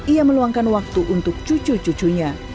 ia meluangkan waktu untuk cucu cucunya